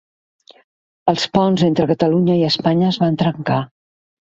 Els ponts entre Catalunya i Espanya es van trencar.